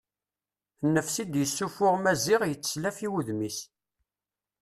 Nnefs i d-yessuffuɣ Maziɣ yetteslaf i wudem-is.